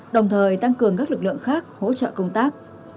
đồng thời tăng cường các lực lượng khác hỗ trợ công tác